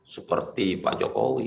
seperti pak jokowi